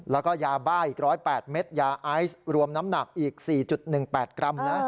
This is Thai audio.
แล้วก็ยาบ้าอีก๑๐๘เม็ดยาไอซ์รวมน้ำหนักอีก๔๑๘กรัมนะ